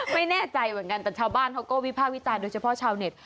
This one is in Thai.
ไม่แน่ใจเหมือนกันแต่ชาวบ้านเขาก็วิภาควิจารณ์โดยเฉพาะชาวเน็ต